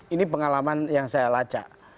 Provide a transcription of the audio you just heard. ini pengalaman yang saya lacak